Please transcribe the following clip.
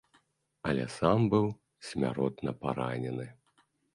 Але сам быў смяротна паранены.